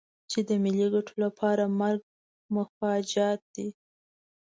چې د ملي ګټو لپاره مرګ مفاجات دی.